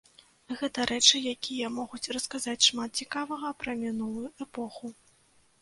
Гэта рэчы, якія могуць расказаць шмат цікавага пра мінулую эпоху.